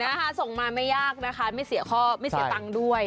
นะคะส่งมาไม่ยากนะคะไม่เสียข้อไม่เสียตังค์ด้วย